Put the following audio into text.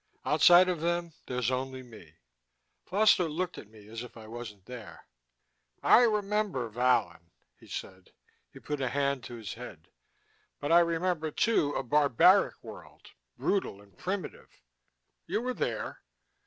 Outside of them there's only me " Foster looked at me as if I wasn't there. "I remember Vallon," he said. He put a hand to his head. "But I remember, too, a barbaric world, brutal and primitive. You were there.